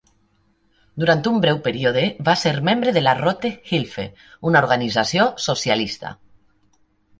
Durant un breu període va ser membre de la "Rote Hilfe", una organització socialista.